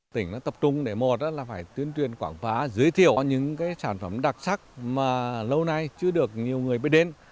tỉnh tập trung để một là phải tuyên truyền quảng bá giới thiệu những sản phẩm đặc sắc mà lâu nay chưa được nhiều người biết đến